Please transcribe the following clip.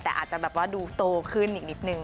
แต่อาจจะแบบว่าดูโตขึ้นอีกนิดนึง